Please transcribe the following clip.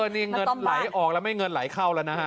นี่เงินไหลออกแล้วไม่เงินไหลเข้าแล้วนะฮะ